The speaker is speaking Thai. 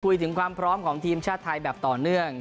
ถึงความพร้อมของทีมชาติไทยแบบต่อเนื่อง